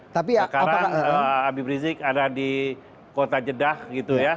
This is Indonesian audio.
sekarang habib rizik ada di kota jeddah gitu ya